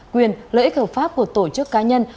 quyền lợi ích hợp pháp của tổ chức cá nhân